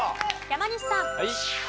山西さん。